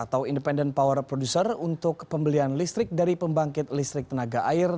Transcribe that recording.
atau independent power producer untuk pembelian listrik dari pembangkit listrik tenaga air